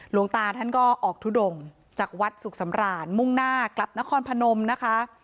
หลวงตาท่านก็ออกทุดงจากวัดสุขสำราญมุ่งหน้ากลับนครพนมนะคะ